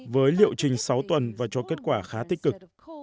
với liệu trình sáu tuần và cho kết quả khá tích cực